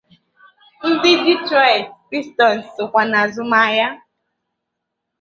Ndị Detroit Pistons sokwa na azụmahịa.